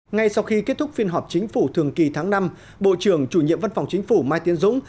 ngay sau khi kết thúc phiên họp chính phủ thường kỳ tháng năm bộ trưởng chủ nhiệm văn phòng chính phủ mai tiến dũng